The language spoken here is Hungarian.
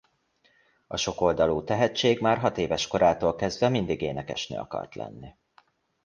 A sokoldalú tehetség már hat éves korától kezdve mindig énekesnő akart lenni.